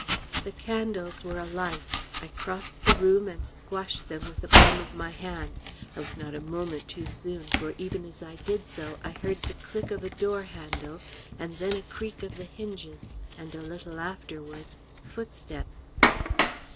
The candles were alight. I crossed the room and squashed them with the palm of my hand. I was not a moment too soon, for even as I did so I heard the click of a door handle, and then a creak of the hinges, and a little afterwards footsteps.